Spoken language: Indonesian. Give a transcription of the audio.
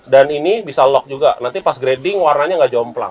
dan ini bisa lock juga nanti pas grading warnanya gak jomplang